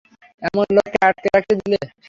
এমন লোককে আটকে রাখতে দিলে?